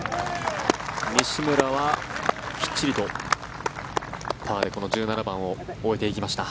西村はきっちりとパーでこの１７番を終えてきました。